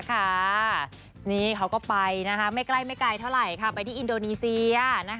นานี่เขาก็ไปไม่ใกล้เท่าเรา่ะไปที่อินโดนีเซีย